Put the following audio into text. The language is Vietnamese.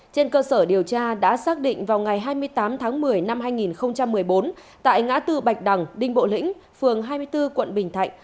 trên cơ sở điều tra đã xác định vào ngày hai mươi tám tháng một mươi năm hai nghìn một mươi bốn tại ngã tư bạch đằng đinh bộ lĩnh phường hai mươi bốn quận bình thạnh